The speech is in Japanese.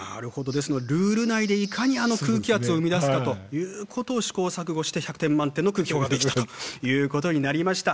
ですのでルール内でいかにあの空気圧を生み出すかということを試行錯誤して１００点満点の空気砲が出来たということになりました。